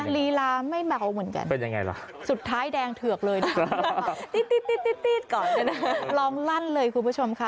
รีลาไม่เมาเหมือนกันสุดท้ายแดงเถือกเลยนะลองลั่นเลยคุณผู้ชมค่ะ